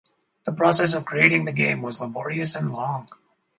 The process of creating the game was "laborious and long".